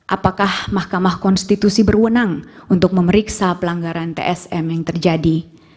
apakah mahkamah konstitusi berwenang untuk memeriksa pelanggaran tsm yang terjadi